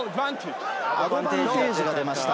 アドバンテージが出ました。